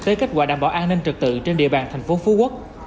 tế kết quả đảm bảo an ninh trật tự trên địa bàn thành phố phú quốc